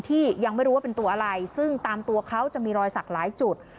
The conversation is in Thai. ยังไม่รู้ว่าเป็นตัวอะไรซึ่งตามตัวเขาจะมีรอยสักหลายจุด